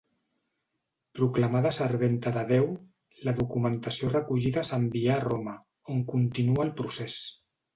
Proclamada serventa de Déu, la documentació recollida s'envià a Roma, on continua el procés.